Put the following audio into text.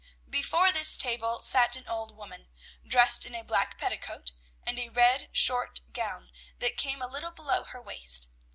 Before this table sat an old woman, dressed in a black petticoat, and a red, short gown that came a little below her waist.